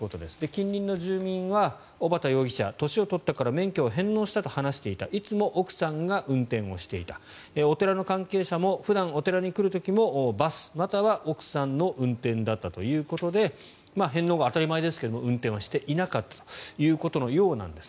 近隣の住民は小畠容疑者は、年を取ったから免許を返納したと話していたいつも奥さんが運転していたお寺の関係者も普段、お寺に来る時もバス、または奥さんの運転だったということで返納後、当たり前ですが運転はしていなかったということのようです。